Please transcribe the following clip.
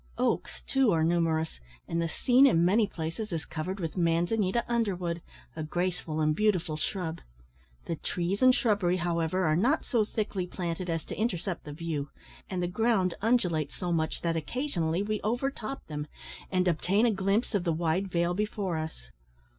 Oaks, too, are numerous, and the scene in many places is covered with mansanita underwood, a graceful and beautiful shrub. The trees and shrubbery, however, are not so thickly planted as to intercept the view, and the ground undulates so much that occasionally we overtop them, and obtain a glimpse of the wide vale before us.